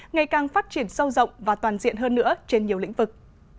ngày càng phát triển sâu rộng và toàn diện hơn nữa trên nhiều lĩnh vực